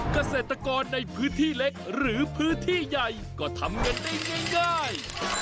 เกษตรกรในพื้นที่เล็กหรือพื้นที่ใหญ่ก็ทำเงินได้ง่าย